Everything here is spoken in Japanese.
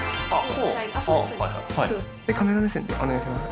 カメラ目線でお願いします。